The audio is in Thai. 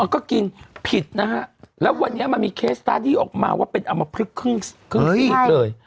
ก็กินผิดนะฮะแล้ววันนี้มันมีเคสตาร์ทที่ออกมาว่าเป็นอมพลึกครึ่งซีกเลย